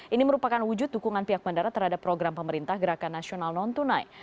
ini merupakan wujud dukungan pihak bandara terhadap program pemerintah gerakan nasional non tunai